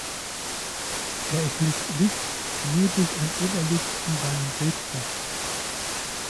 Er erhielt Licht nur durch ein Oberlicht in seinem Reetdach.